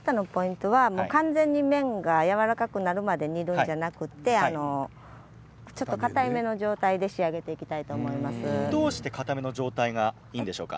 完全に麺がやわらかくなるまで煮るんじゃなくてちょっとかための状態でどうしてかための状態がいいんでしょうか？